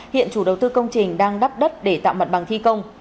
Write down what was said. hiện chủ đầu tư công trình đang đắp đất để tạo mặt bằng thi công